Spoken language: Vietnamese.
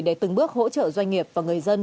để từng bước hỗ trợ doanh nghiệp và người dân